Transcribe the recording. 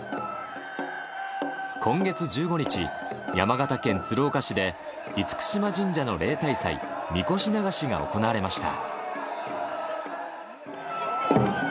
今月１５日、山形県鶴岡市で厳島神社の例大祭、みこし流しが行われました。